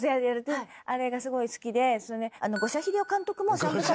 あれがすごい好きで。